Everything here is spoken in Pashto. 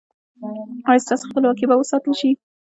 ایا ستاسو خپلواکي به وساتل شي؟